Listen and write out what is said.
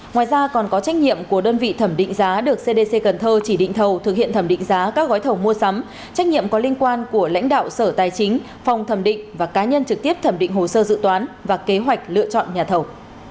ngoài ra còn có trách nhiệm của đơn vị thẩm định giá được cdc cần thơ chỉ định thầu thực hiện thẩm định giá các gói thầu mua sắm trách nhiệm có liên quan của lãnh đạo sở tài chính phòng thẩm định và cá nhân trực tiếp thẩm định hồ sơ dự toán và kế hoạch lựa chọn nhà thầu